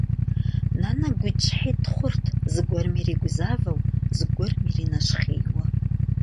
Нанэ гуитӀщхьитӀ хъурт, зыгуэрым иригузавэу, зыгуэрым иринэщхъейуэ.